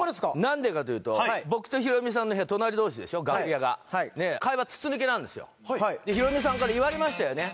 何でかというと僕とヒロミさんの部屋隣同士でしょ楽屋がはいヒロミさんから言われましたよね